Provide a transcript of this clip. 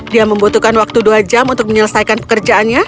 dia membutuhkan waktu dua jam untuk menyelesaikan pekerjaannya